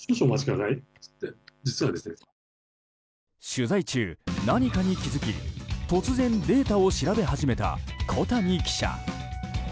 取材中、何かに気づき突然、データを調べ始めた小谷記者。